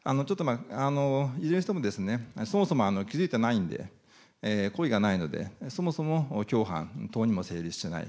いずれにしてもそもそも気付いてないんで、故意がないので、そもそも、共犯等にも成立しない。